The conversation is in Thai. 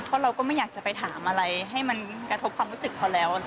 เพราะเราก็ไม่อยากจะไปถามอะไรให้มันกระทบความรู้สึกเขาแล้ว